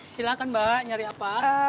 silahkan mbak nyari apa